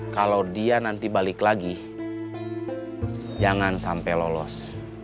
kalau dia nanti balik lagi jangan sampai lolos